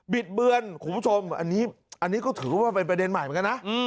ิดเบือนคุณผู้ชมอันนี้ก็ถือว่าเป็นประเด็นใหม่เหมือนกันนะ